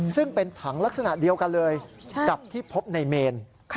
ซึ่งเป็นถังลักษณะเดียวกันเลยกับที่พบในเมน